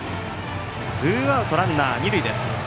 ツーアウト、ランナー、二塁です。